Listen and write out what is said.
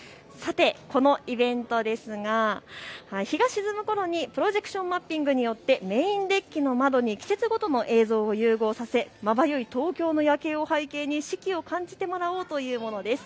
さて、このイベントですが日が沈むころにプロジェクションマッピングによってメインデッキの窓に季節ごとの映像を融合させ、まばゆい東京の夜景を背景に四季を感じてもらおうというものです。